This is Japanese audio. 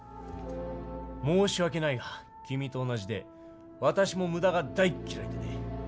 申し訳ないが君と同じで私も無駄が大嫌いでね。